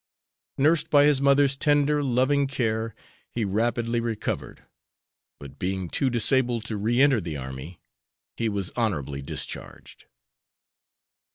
Nursed by his mother's tender, loving care, he rapidly recovered, but, being too disabled to re enter the army, he was honorably discharged.